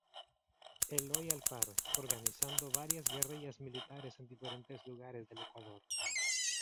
Eloy Alfaro organizando varias guerrillas militares en diferentes lugares del Ecuador.